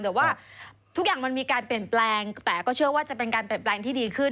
แต่ว่าทุกอย่างมันมีการเปลี่ยนแปลงแต่ก็เชื่อว่าจะเป็นการเปลี่ยนแปลงที่ดีขึ้น